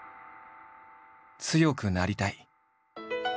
「強くなりたい」。